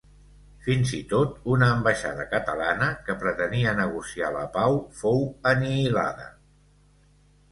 Fins i tot, una ambaixada catalana que pretenia negociar la pau fou anihilada.